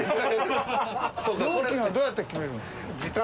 料金はどうやって決めるんですか？